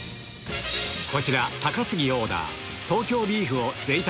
こちら高杉オーダー